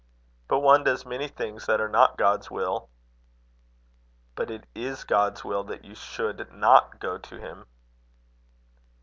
"But one does many things that are not God's will." "But it is God's will that you should not go to him."